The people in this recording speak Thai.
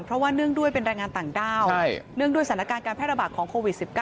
เพราะว่าเนื่องด้วยเป็นแรงงานต่างด้าวเนื่องด้วยสถานการณ์การแพร่ระบาดของโควิด๑๙